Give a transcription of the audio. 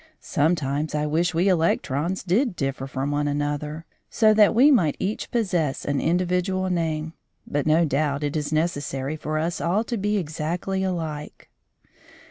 Sometimes I wish we electrons did differ from one another, so that we might each possess an individual name, but no doubt it is necessary for us all to be exactly alike.